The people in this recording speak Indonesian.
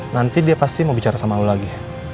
nanti dia pasti mau bicara sama allah lagi